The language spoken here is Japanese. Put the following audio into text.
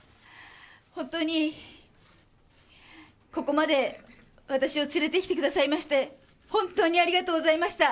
本当にここまで私を連れてきてくださいまして、本当にありがとうございました。